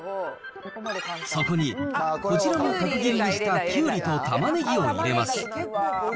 そこに、こちらも角切りにしたキュウリとタマネギを入れます。